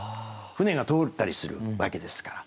船が通ったりするわけですから。